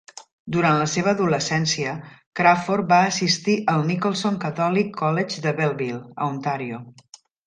Durant la seva adolescència, Crawford va assistir al Nicholson Catholic College de Belleville, a Ontàrio.